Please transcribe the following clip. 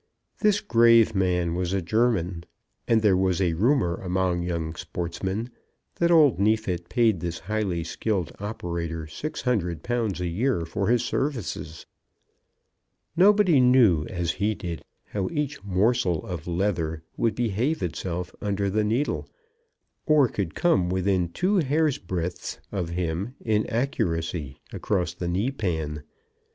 This grave man was a German, and there was a rumour among young sportsmen that old Neefit paid this highly skilled operator £600 a year for his services! Nobody knew as he did how each morsel of leather would behave itself under the needle, or could come within two hairbreadths of him in accuracy across the kneepan.